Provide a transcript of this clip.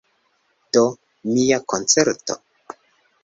De mia koncerto?